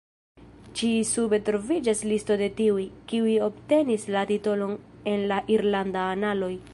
Ĉi-sube troviĝas listo de tiuj, kiuj obtenis la titolon en la irlandaj analoj.